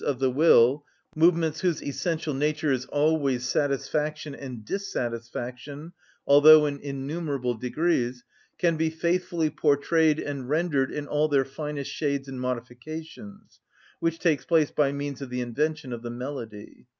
_, of the will, movements whose essential nature is always satisfaction and dissatisfaction, although in innumerable degrees, can be faithfully portrayed and rendered in all their finest shades and modifications, which takes place by means of the invention of the melody.